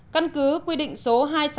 căn cứ quy định số hai trăm sáu mươi